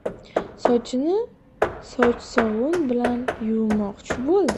Sochini sochsovun bilan yuvmoqchi bo‘ldi.